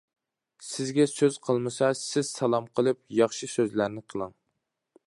سىزگە سۆز قىلمىسا، سىز سالام قىلىپ، ياخشى سۆزلەرنى قىلىڭ.